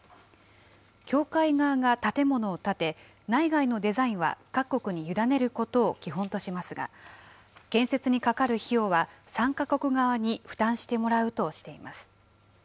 協会側が建物を建て、内外のデザインは各国に委ねることを基本としますが、建設にかかる費用は参加国側に負担してもらうとしています。